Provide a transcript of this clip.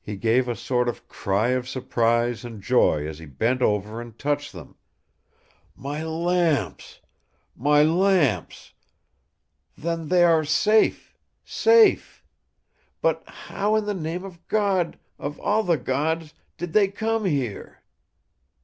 He gave a sort of cry of surprise and joy as he bent over and touched them: "My lamps! My lamps! Then they are safe—safe—safe! ... But how, in the name of God—of all the Gods—did they come here?"